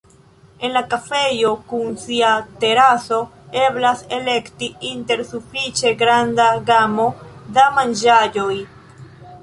En la kafejo kun sia teraso eblas elekti inter sufiĉe granda gamo da manĝaĵoj.